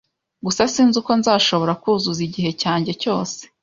Gusa sinzi uko nzashobora kuzuza igihe cyanjye cyose!